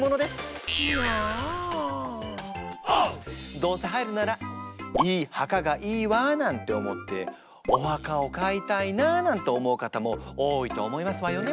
どうせ入るならいい墓がいいわなんて思ってお墓を買いたいななんて思う方も多いと思いますわよね。